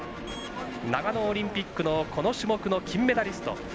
長野オリンピックのこの種目の金メダリスト。